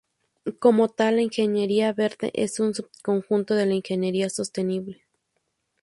Como tal, la ingeniería verde es un subconjunto de la ingeniería sostenible.